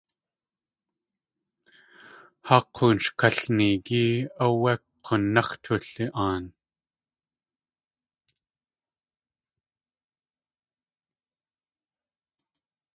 Haa k̲oon sh kalneegí áwé k̲únáx̲ tuli.aan.